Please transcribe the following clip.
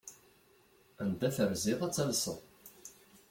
Anda terziḍ ad talseḍ.